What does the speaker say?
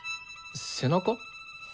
背中？